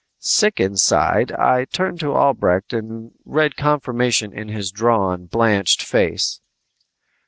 Sick inside, I turned to Albrecht and read confirmation in his drawn, blanched face.